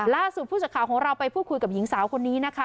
ล่าสุดผู้สักข่าวของเราไปพูดคุยกับหญิงสาวคนนี้นะคะ